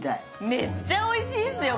めっちゃおいしいっすよ。